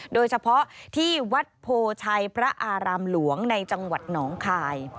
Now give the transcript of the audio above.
โดยเฉพาะที่วัดโพชัยพระอารามหลวงในจังหวัดหนองคาย